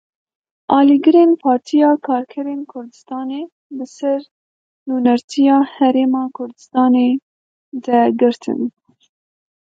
Alîgirên Partiya Karkerên Kurdistanê bi ser Nûnertiya Herêma Kurdistanê de girtin.